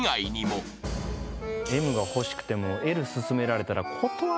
Ｍが欲しくてもＬ薦められたら断れないのよ。